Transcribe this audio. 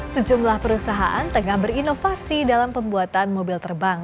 sejumlah perusahaan tengah berinovasi dalam pembuatan mobil terbang